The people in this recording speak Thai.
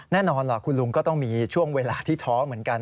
แน่นอนล่ะคุณลุงก็ต้องมีช่วงเวลาที่ท้อเหมือนกัน